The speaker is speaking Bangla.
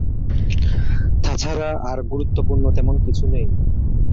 তাছাড়া, আর গুরুত্বপূর্ণ তেমন কিছু নেই।